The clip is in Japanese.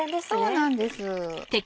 そうなんです。